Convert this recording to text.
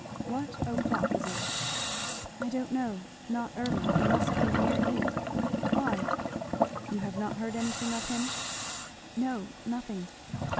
"What o'clock is it?" "I don't know not early it must be near eight. Why?" "You have not heard anything of him?" "No nothing."